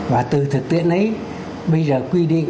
và từ thực tiễn ấy bây giờ quy định